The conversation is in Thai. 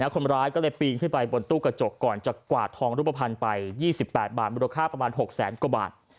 คนร้ายก็เลยปีนขึ้นไปบนตู้กระจกก่อนจะกวาดทองรูปภัณฑ์ไป๒๘บาทมูลค่าประมาณ๖แสนกว่าบาท